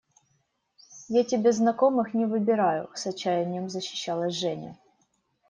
– Я тебе знакомых не выбираю, – с отчаянием защищалась Женя.